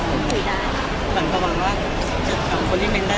นั้นตอนนี้ตรงวนะของคนอย่างงี้